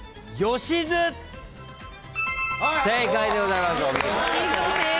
正解でございます。